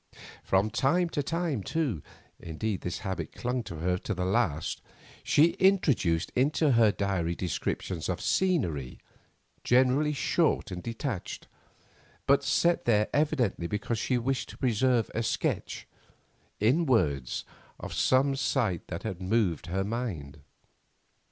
From time to time, too—indeed this habit clung to her to the last—she introduced into her diary descriptions of scenery, generally short and detached, but set there evidently because she wished to preserve a sketch in words of some sight that had moved her mind.